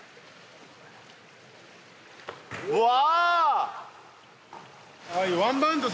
うわ！